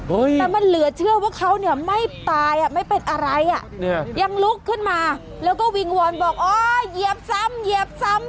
แต่มันเหลือเชื่อว่าเขาเนี่ยไม่ตายอ่ะไม่เป็นอะไรอ่ะยังลุกขึ้นมาแล้วก็วิงวอนบอกอ๋อเหยียบซ้ำเหยียบซ้ำ